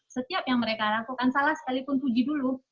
setiap yang mereka lakukan salah sekalipun puji dulu